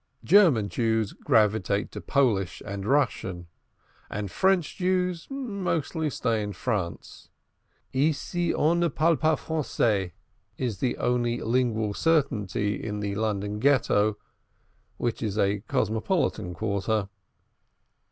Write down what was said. German Jews gravitate to Polish and Russian; and French Jews mostly stay in France. Ici on ne parle pas Français, is the only lingual certainty in the London Ghetto, which is a cosmopolitan quarter.